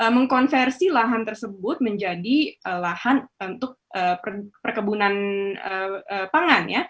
mengkonversi lahan tersebut menjadi lahan untuk perkebunan pangan